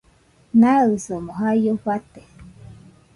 Naɨsomo jaio fate